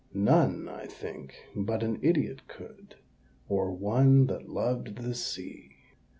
None, I think, but an idiot could Or one that loved the Sea.